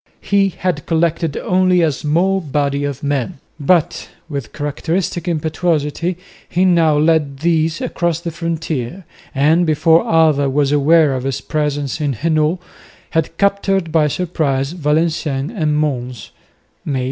He had collected only a small body of men, but, with characteristic impetuosity he now led these across the frontier, and, before Alva was aware of his presence in Hainault, had captured by surprise Valenciennes and Mons (May 24).